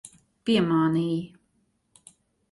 Piemānīji.